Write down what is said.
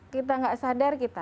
kita gak sadar kita